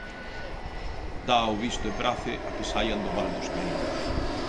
Dá o visto e prace a que saian do Val dos Caídos.